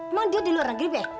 emang dia di luar negeri eh